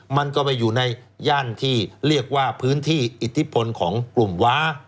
มันก็ไปอยู่ในย่านที่เรียกว่าพื้นที่อิทธิพลของกลุ่มว้า